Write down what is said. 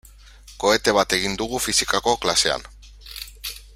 Kohete bat egin dugu fisikako klasean.